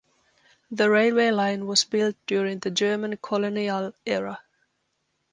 The railway line was built during the German colonial era.